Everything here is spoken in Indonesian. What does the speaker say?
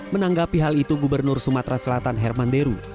menanggapi hal itu gubernur sumatera selatan herman deru